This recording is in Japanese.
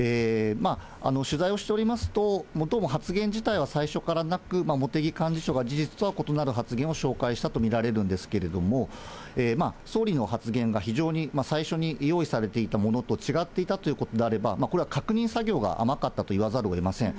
取材をしておりますと、どうも発言自体は最初からなく、茂木幹事長が事実とは異なる発言を紹介したと見られるんですけれども、総理の発言が非常に最初に用意されていたものと違っていたということであれば、これは確認作業が甘かったと言わざるをえません。